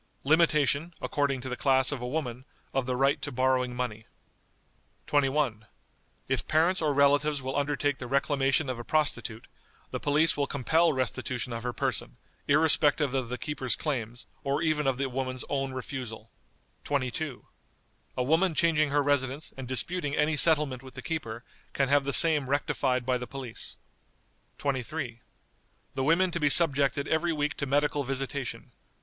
Limitation, according to the class of a woman, of the right of borrowing money." "21. If parents or relatives will undertake the reclamation of a prostitute, the police will compel restitution of her person, irrespective of the keeper's claims, or even of the woman's own refusal." "22. A woman changing her residence, and disputing any settlement with the keeper, can have the same rectified by the police." "23. The women to be subjected every week to medical visitation.